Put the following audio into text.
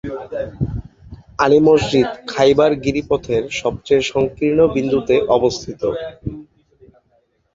আলী মসজিদ খাইবার গিরিপথের সবচেয়ে সংকীর্ণ বিন্দুতে অবস্থিত।